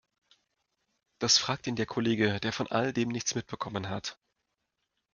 Das fragt ihn der Kollege, der von all dem nichts mitbekommen hat.